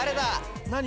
何？